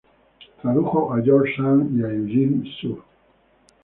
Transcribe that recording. Tradujo a George Sand y a Eugenio Sue.